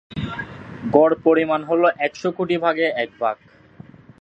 গড় পরিমাণ হলো একশ কোটি ভাগে এক ভাগ।